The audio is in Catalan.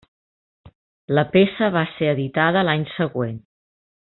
La peça va ser editada l'any següent.